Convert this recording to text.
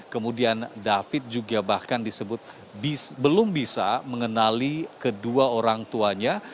kemudian david juga bahkan disebut belum bisa mengenali kedua orang tuanya